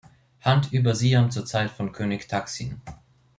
Hand über Siam zur Zeit von König Taksin.